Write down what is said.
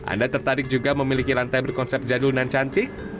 anda tertarik juga memiliki lantai berkonsep jadul dan cantik